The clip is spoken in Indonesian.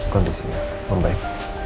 kondisinya mau baik